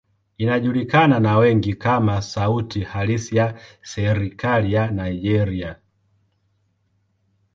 Inajulikana na wengi kama sauti halisi ya serikali ya Nigeria.